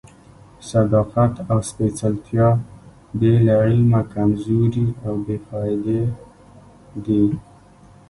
صداقت او سپېڅلتیا بې له علمه کمزوري او بې فائدې دي.